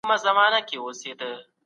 کله به حکومت واردات په رسمي ډول وڅیړي؟